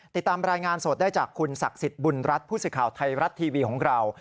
ติดตามรายงานสดได้จากคุณศักดิ์สิทธิ์บุญรัฐผู้สื่อข่าวไทยรัฐทีวีของเรา